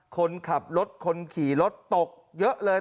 คนขับรถคนขี่รถตกเยอะเลย